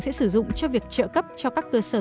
sẽ sử dụng cho việc trợ cấp cho các cơ sở